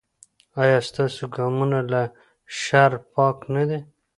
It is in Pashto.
ایا ستاسو ګامونه له شر پاک نه دي؟